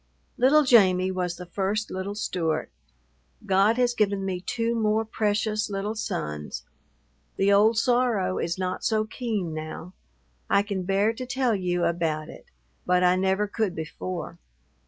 Little Jamie was the first little Stewart. God has given me two more precious little sons. The old sorrow is not so keen now. I can bear to tell you about it, but I never could before.